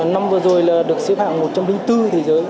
năm vừa rồi là được xếp hạng một trăm linh bốn thế giới